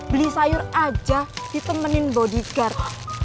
beli sayur aja ditemenin bodyguard